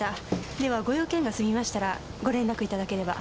ではご用件が済みましたらご連絡いただければ。